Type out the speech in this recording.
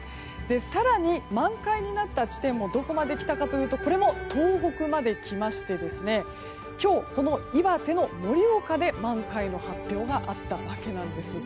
更に、満開になった地点がどこまで来たかというとこれも東北まで来まして今日、岩手の盛岡で満開の発表があったわけです。